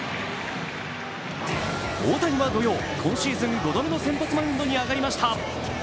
大谷は土曜、今シーズン５度目の先発マウンドに上がりました。